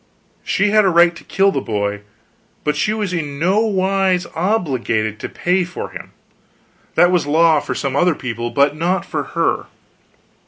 She had a right to kill the boy, but she was in no wise obliged to pay for him. That was law for some other people, but not for her.